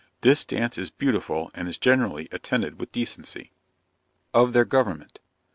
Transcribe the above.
This dance is beautiful, and is generally attended with decency. OF THEIR GOVERNMENT.